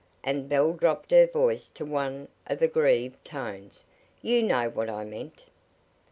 and Belle dropped her voice to one of aggrieved tones. "You know what I meant."